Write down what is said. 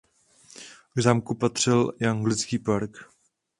K zámku patřil i anglický park.